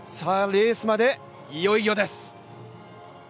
レースまで、いよいよです！